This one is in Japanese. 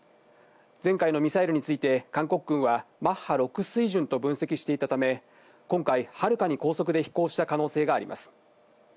前回のミサイルについて韓国軍はマッハ６水準と分析していたため、今回、はるかに高速で飛行した可能性があります。